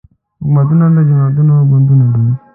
حکومتونه جماعتونه ګوندونه دي